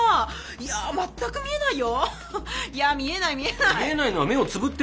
いや見えないよ。